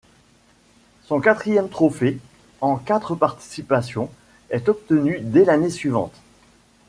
Son quatrième trophée, en quatre participations, est obtenu dès l'année suivante.